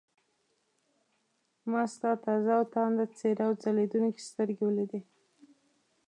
ما ستا تازه او تانده څېره او ځلېدونکې سترګې ولیدې.